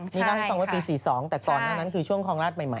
นี่เล่าให้ฟังว่าปี๔๒แต่ก่อนหน้านั้นคือช่วงคลองราชใหม่